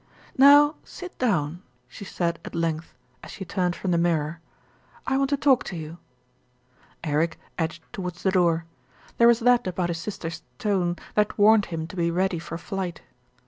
"Now sit down," she said at length, as she turned from the mirror. "I want to talk to you." Eric edged towards the door. There was that about his sister's tone that warned him to be ready for flight.